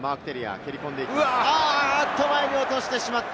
前に落としてしまった。